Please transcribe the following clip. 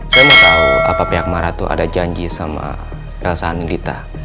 saya mau tau apa pihak maharatu ada janji sama elsa hanilita